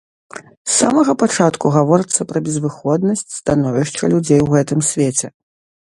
З самага пачатку гаворыцца пра безвыходнасць становішча людзей у гэтым свеце.